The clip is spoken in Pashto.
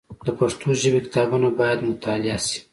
د پښتو ژبي کتابونه باید مطالعه سي.